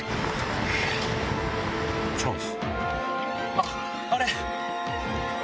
あっあれ！